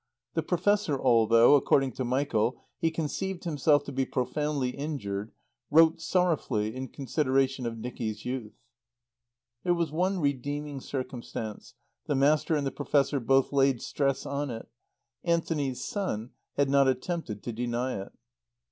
The Professor, although, according to Michael, he conceived himself to be profoundly injured, wrote sorrowfully, in consideration of Nicky's youth. There was one redeeming circumstance, the Master and the Professor both laid stress on it: Anthony's son had not attempted to deny it.